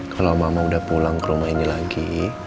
kalau mama udah pulang ke rumah ini lagi